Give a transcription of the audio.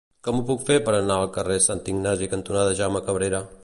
Com ho puc fer per anar al carrer Sant Ignasi cantonada Jaume Cabrera?